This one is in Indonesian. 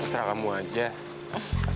beserah kamu aja